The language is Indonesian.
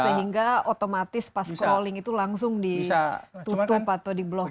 sehingga otomatis pas calling itu langsung ditutup atau diblokir